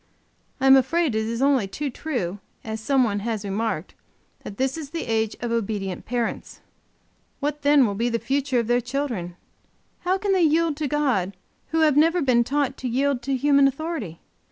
I am afraid it is only too true, as some one has remarked, that "this is the age of obedient parents!" What then will be the future of their children? How can they yield to God who have never been taught to yield to human authority?